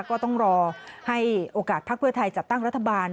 ก็ต้องรอให้โอกาสพักเพื่อไทยจัดตั้งรัฐบาล